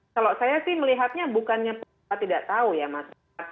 kalau saya sih melihatnya bukannya pak jokowi tidak tahu ya mas renhardt